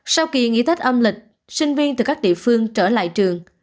sau kỳ nghỉ tết âm lịch sinh viên từ các địa phương trở lại trường